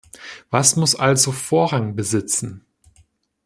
Was muss also Vorrang besitzen?